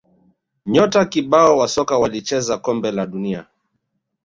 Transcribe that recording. nyota kibao wa soka walicheza kombe la dunia